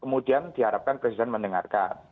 kemudian diharapkan presiden mendengarkan